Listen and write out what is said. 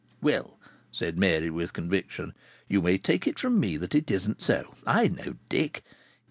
"Well," said Mary, with conviction, "you may take it from me that it isn't so. I know Dick.